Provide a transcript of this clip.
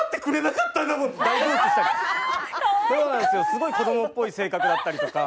すごい子どもっぽい性格だったりとか。